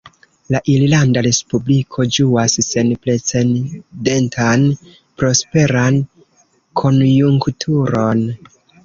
La Irlanda Respubliko ĝuas senprecendentan prosperan konjunkturon.